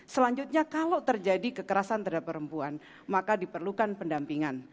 selanjutnya kalau terjadi kekerasan terhadap perempuan maka diperlukan pendampingan